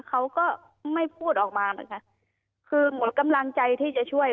เขาก็ไม่พูดออกมานะคะคือหมดกำลังใจที่จะช่วย